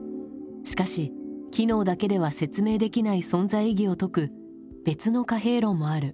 しかし機能だけでは説明できない存在意義を説く別の貨幣論もある。